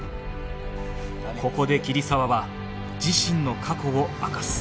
ここで桐沢は自身の過去を明かす